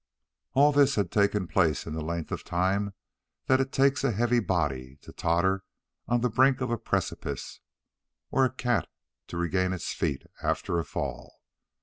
All this had taken place in the length of time that it takes a heavy body to totter on the brink of a precipice or a cat to regain its feet after a fall.